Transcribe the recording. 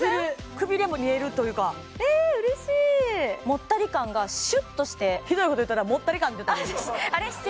くびれも見えるというかえーっうれしいもったり感がシュッとしてひどいこと言ったなもったり感って言ったぞ